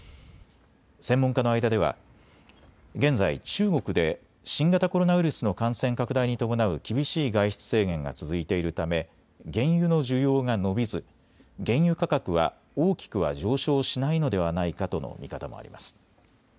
専門家の間では現在、中国で新型コロナウイルスの感染拡大に伴う厳しい外出制限が続いているため原油の需要が伸びず原油価格は大きくは上昇しないのではないかとの見方もあります。